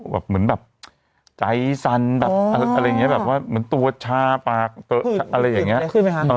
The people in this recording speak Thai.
แบบเหมือนแบบใจสั่นแบบอะไรอย่างนี้แบบว่าเหมือนตัวชาปากอะไรอย่างนี้ขึ้นไหมคะ